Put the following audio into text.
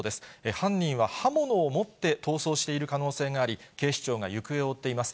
犯人は刃物を持って逃走している可能性があり、警視庁が行方を追っています。